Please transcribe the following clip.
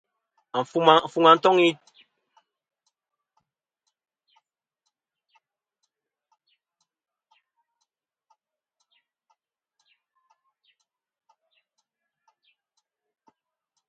Afuŋa fom i toŋ nô ajuŋ.